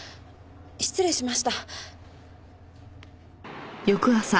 失礼しました。